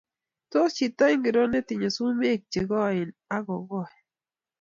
Tos chito ingiro ne tinyei sumek che koen ak ko koi